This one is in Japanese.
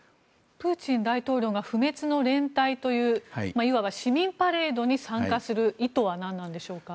プーチン大統領が不滅の連隊といういわば市民パレードに参加する意図は何なんでしょうか。